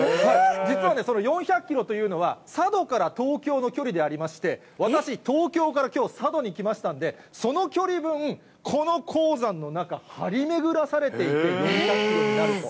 実はね、その４００キロというのは、佐渡から東京の距離でありまして、私、東京からきょう、佐渡に来ましたんで、その距離分、この鉱山の中、張り巡らされて４００キロになると。